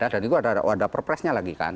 dan itu ada perpresnya lagi kan